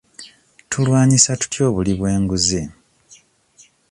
Tulwanyisa tutya obuli bw'enguzi?